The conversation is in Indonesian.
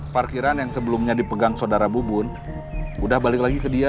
parkiran yang sebelumnya dipegang saudara bubun udah balik lagi ke dia